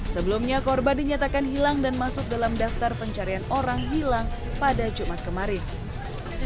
sebelumnya korban dinyatakan hilang dan masuk dalam daftar pencarian orang hilang pada jumat kemarin